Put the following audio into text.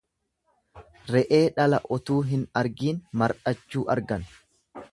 Re'ee dhala otuu hin argiin mar'achuu argan.